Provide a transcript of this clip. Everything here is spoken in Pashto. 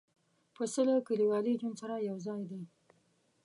پسه له کلیوالي ژوند سره یو ځای دی.